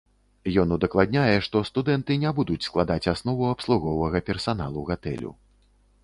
Ён удакладняе, што студэнты не будуць складаць аснову абслуговага персаналу гатэлю.